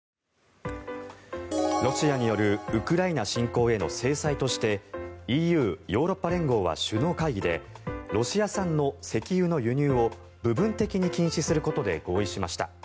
ロシアによるウクライナ侵攻への制裁としてＥＵ・ヨーロッパ連合は首脳会議でロシア産の石油の輸入を部分的に禁止することで合意しました。